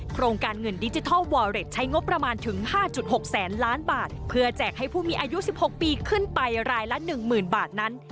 โครงการเงินดิจิทัลวอเรดใช้งบประมาณถึง๕๖แสนล้านบาทเพื่อแจกให้ผู้มีอายุ๑๖ปีขึ้นไปรายละ๑๐๐๐บาทนั้น